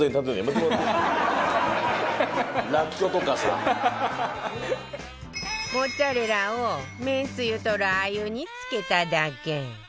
モッツァレラをめんつゆとラー油に漬けただけ